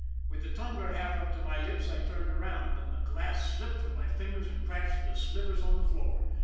With the tumbler half up to my lips I turned around then the glass slipped from my fingers and crashed into slivers on the floor.